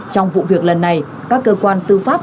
trong vụ việc lần này các cơ quan tư pháp